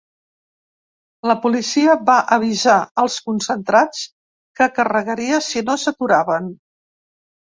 La policia va avisar als concentrats que carregaria si no s’aturaven.